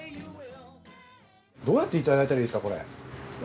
どうやっていただいたらいいですかこれ？